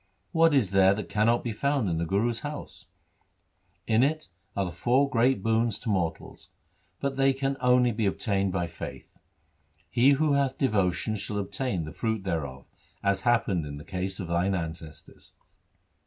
What is there that cannot be found in the Guru's house ? In it are the four great boons to mortals, but they can only be obtained by faith. He who hath devotion shall obtain the fruit thereof, as happened in the case of thine ancestors.'